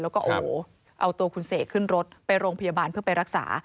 แล้วก็โอ้โหเอาตัวคุณเสกขึ้นรถไปโรงพยาบาลเพื่อไปรักษา